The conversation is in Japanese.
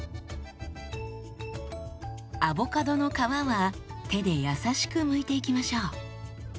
アボカドの皮は手で優しくむいていきましょう。